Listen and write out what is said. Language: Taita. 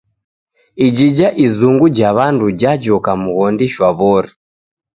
Ijija izungu ja wandu jajoka mghondi shwawori.